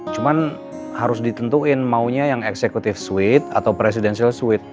cuma harus ditentuin maunya yang executive suite atau presidential suite